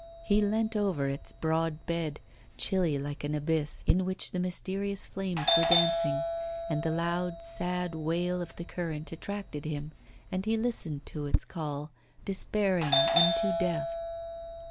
He leant over its broad bed, chilly like an abyss, in which the mysterious flames were dancing. And the loud, sad wail of the current attracted him, and he listened to its call, despairing, unto death.